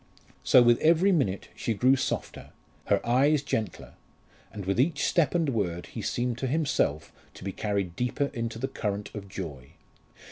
So with every minute she grew softer, her eye gentler, and with each step and word he seemed to himself to be carried deeper into the current of joy.